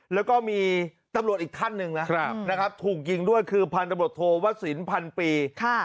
แล้วก็มีตำรวจอีกท่านหนึ่งนะครับถูกยิงด้วยคือพันธบทโทวสินพันปี